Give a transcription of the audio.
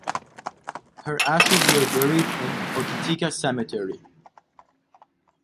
Her ashes were buried in Hokitika Cemetery.